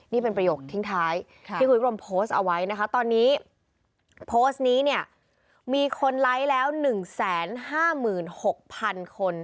นี่เป็นประโยคทิ้งท้ายที่คุณวิกรมโพสต์เอาไว้นะคะตอนนี้โพสต์นี้เนี่ยมีคนไลค์แล้ว๑๕๖๐๐๐คน